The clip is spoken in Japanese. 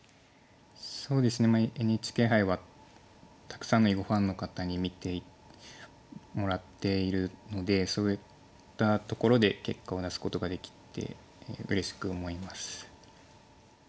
そうですねＮＨＫ杯はたくさんの囲碁ファンの方に見てもらっているのでそういったところで結果を出すことができてうれしく思います。